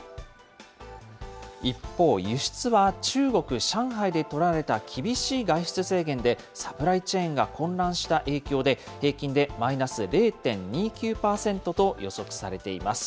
一方、輸出は中国・上海で取られた厳しい外出制限でサプライチェーンが混乱した影響で、平均でマイナス０．２９％と予測されています。